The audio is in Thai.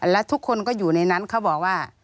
และทุกคนก็อยู่ในนั้นเขาบอกว่า